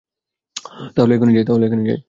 তাহলে এখনি যাই।